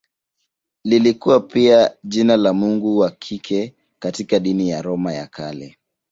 Lilikuwa pia jina la mungu wa kike katika dini ya Roma ya Kale.